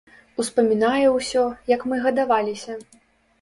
Успамінае ўсё, як мы гадаваліся.